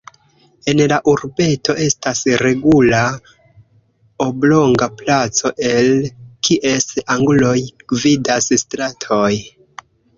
En la urbeto estas regula oblonga placo, el kies anguloj gvidas stratoj.